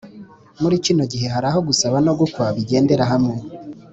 muri kino gihe hari aho gusaba no gukwa bigendera hamwe